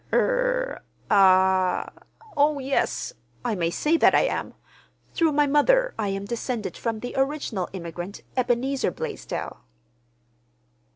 "Er—ah—oh, yes, I may say that I am. Through my mother I am descended from the original immigrant, Ebenezer Blaisdell."